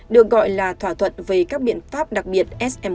được gọi là thỏa thuận về các biện pháp đặc biệt sm